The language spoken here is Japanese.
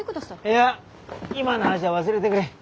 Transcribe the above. いや今の話は忘れてくれ。